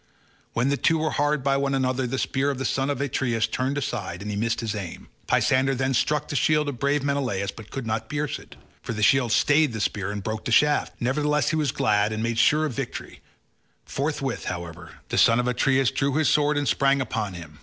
When the two were hard by one another the spear of the son of Atreus turned aside and he missed his aim; Pisander then struck the shield of brave Menelaus but could not pierce it, for the shield stayed the spear and broke the shaft; nevertheless he was glad and made sure of victory; forthwith, however, the son of Atreus drew his sword and sprang upon him.